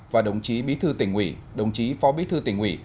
và đồng chí bí thư tỉnh ủy đồng chí phó bí thư tỉnh ủy